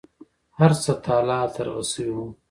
هر څه تالا ترغه شوي وو.